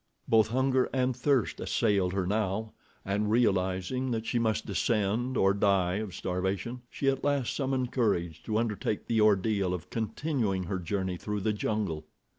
Both hunger and thirst assailed her now, and realizing that she must descend or die of starvation, she at last summoned courage to undertake the ordeal of continuing her journey through the jungle.